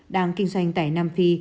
đang kinh doanh tại nam phi